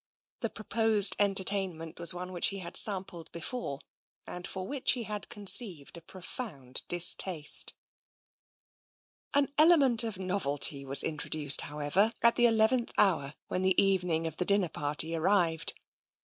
The proposed entertainment was one which he had sampled before, and for which he had conceived a pro found distaste. An element of novelty was introduced, however, at the eleventh hour, when the evening of the dinner party arrived.